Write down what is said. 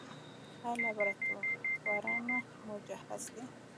آیا لابراتوارونه مجهز دي؟